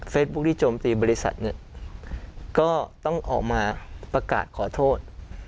ที่โจมตีบริษัทเนี่ยก็ต้องออกมาประกาศขอโทษ